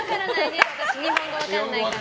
日本語分からないから。